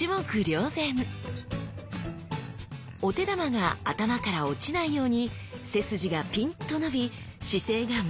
お手玉が頭から落ちないように背筋がピンと伸び姿勢がまっすぐに！